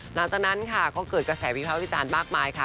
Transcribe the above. หลังจากนั้นค่ะก็เกิดกระแสวิภาควิจารณ์มากมายค่ะ